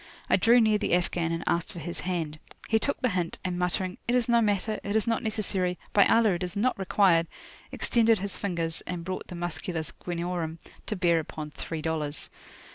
I drew near the Afghan, and asked for his hand. He took the hint, and muttering, "It is no matter!" "It is not necessary!" "By Allah it is not required!" extended his fingers, and brought the "musculus guineorum" to bear upon three dollars.